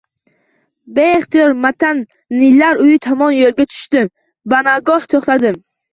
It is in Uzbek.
Beixtiyor Matannilar uyi tomon yo`lga tushdim-u banogoh to`xtadim